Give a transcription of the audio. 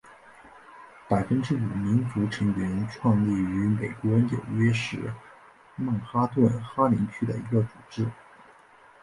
百分之五民族成员创立于美国纽约市曼哈顿哈林区的一个组织。